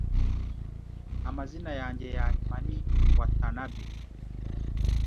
Amazina yanjye yanyuma ni Watanabe.